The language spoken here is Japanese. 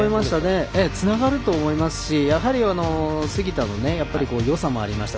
つながると思いますしやはり杉田のよさもありました。